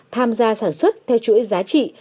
tham gia sản xuất theo chuỗi giá trị